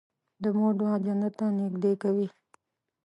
د مور دعا جنت ته نږدې کوي.